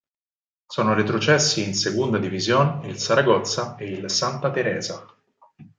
Sono retrocessi in Segunda División il Saragozza e il Santa Teresa.